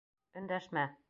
Өндәшмә!